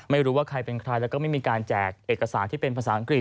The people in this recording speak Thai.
ไม่รู้ว่าใครเป็นใครแล้วก็ไม่มีการแจกเอกสารที่เป็นภาษาอังกฤษ